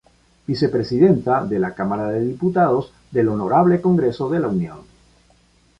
Vicepresidenta de la Cámara de Diputados del H. Congreso de la Unión.